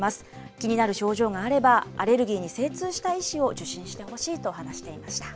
気になる症状があれば、アレルギーに精通した医師を受診してほしいと話していました。